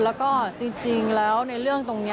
แล้วก็จริงแล้วในเรื่องตรงนี้